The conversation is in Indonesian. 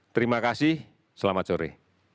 terima kasih selamat sore